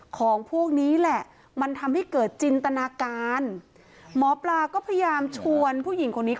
คุณปุ้ยอายุ๓๒นางความร้องไห้พูดคนเดี๋ยว